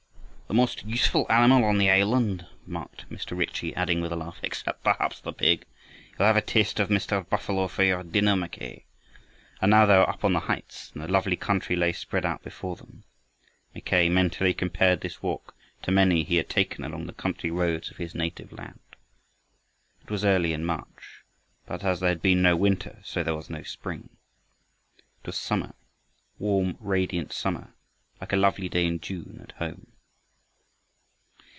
"The most useful animal on the island," remarked Mr. Ritchie, adding with a laugh, "except perhaps the pig. You'll have a taste of Mr. Buffalo for your dinner, Mackay." And now they were up on the heights, and the lovely country lay spread out before them. Mackay mentally compared this walk to many he had taken along the country roads of his native land. It was early in March, but as there had been no winter, so there was no spring. It was summer, warm, radiant summer, like a lovely day in June at home.